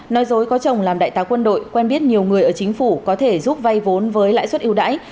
nói dối có chồng làm đại tá quân đội quen biết nhiều người ở chính phủ có thể giúp vay vốn với lãi suất yêu đãi